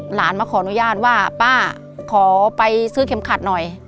หลานมาขออนุญาตว่าป้าขอไปซื้อเข็มขัดหน่อย